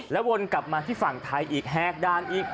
วนกลับมาที่ฝั่งไทยอีกแหกด่านอีก